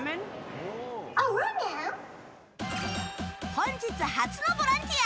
本日初のボランティア！